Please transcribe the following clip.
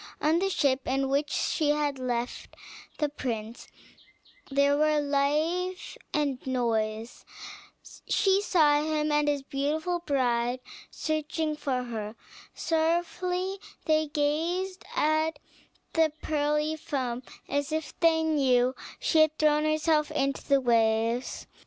On the ship, in which she had left the prince, there were life and noise; she saw him and his beautiful bride searching for her; sorrowfully they gazed at the pearly foam, as if they knew she had thrown herself into the waves.